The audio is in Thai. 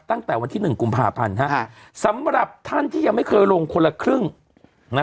ตั้งแต่วันที่หนึ่งกุมภาพันธ์สำหรับท่านที่ยังไม่เคยลงคนละครึ่งนะ